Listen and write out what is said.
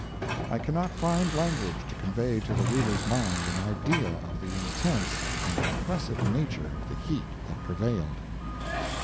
I cannot find language to convey to the reader's mind an idea of the intense and oppressive nature of the heat that prevailed."